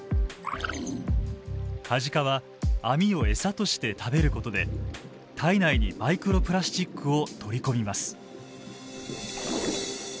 カジカはアミを餌として食べることで体内にマイクロプラスチックを取り込みます。